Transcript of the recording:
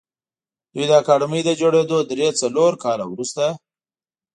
دوی د اکاډمۍ له جوړېدو درې څلور کاله وروسته